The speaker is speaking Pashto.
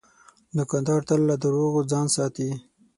دوکاندار تل له دروغو ځان ساتي.